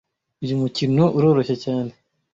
Uyu mukino uroroshye cyane